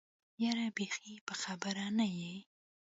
يره بېخي په خبره نه يې.